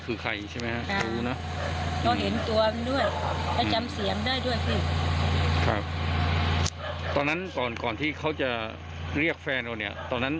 นอนกันแล้วบางคนนอนแล้ว